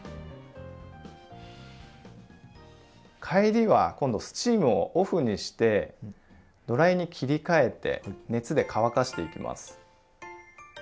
帰りは今度スチームをオフにしてドライに切り替えて熱で乾かしていきます。